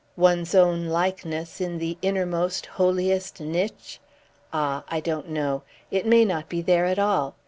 One's own likeness, in the innermost, holiest niche? Ah! I don't know! It may not be there at all.